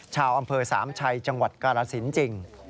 ชาวอำเภอสามชัยจกราศิลป์จริง